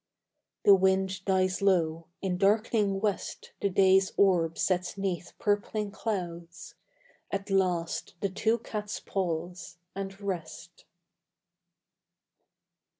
The wind dies low; in dark'ning west The day's orb sets 'neath purpling clouds. At last the two cats pause, and rest.